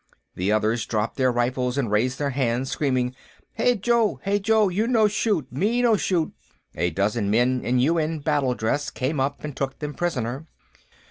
The others dropped their rifles and raised their hands, screaming: "Hey, Joe! Hey, Joe! You no shoot, me no shoot!" A dozen men in UN battledress came up and took them prisoner.